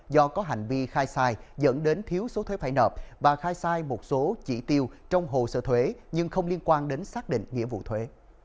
do có hành vi khai sai dẫn đến thiếu số thuế phải nợp và khai sai một số chỉ tiêu trong hồ sơ thuế nhưng không liên quan đến xác định nghĩa vụ thuế